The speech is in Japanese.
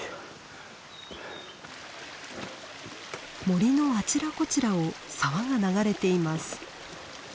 森のあちらこちらを沢が流れています。